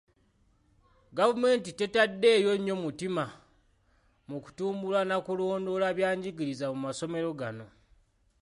Gavumenti tetaddeeyo nnyo mutima mu kutumbula na kulondoola bya njigiriza mu masomero gano.